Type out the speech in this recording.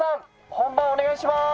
本番お願いします！